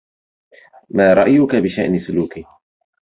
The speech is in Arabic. ما رأيك بشأن سلوكه ؟